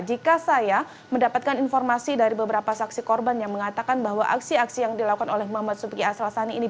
jika saya mendapatkan informasi dari beberapa saksi korban yang mengatakan bahwa aksi aksi yang dilakukan oleh muhammad subiki asal sani ini